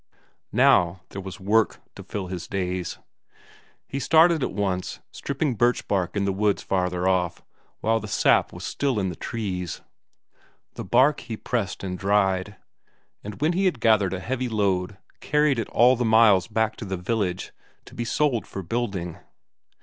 Now, there was work to fill his days. He started at once, stripping birch bark in the woods farther off, while the sap was still in the trees. The bark he pressed and dried, and when he had gathered a heavy load, carried it all the miles back to the village, to be sold for building.